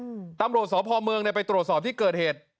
ก็ทำโรสอบภอมเมืองไปตรวจสอบที่เกิดเหตุ